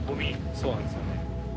そうなんですよね。